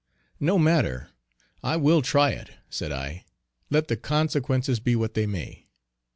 "No matter, I will try it," said I, "let the consequences be what they may.